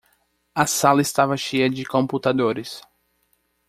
A sala estava cheia de computadores.